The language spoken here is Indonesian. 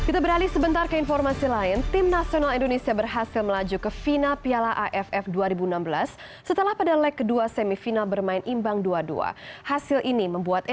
timnas atau pssi